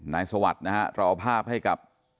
นายสวัสดิ์นะครับเราเอาภาพให้กับ